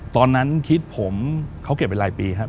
ตอนนั้นคิดผมเขาเก็บไปหลายปีครับ